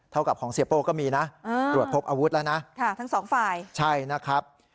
เท่ากับของเสียโป้ก็มีนะตรวจพบอาวุธแล้วนะค่ะทั้งสองฝ่ายใช่นะครับ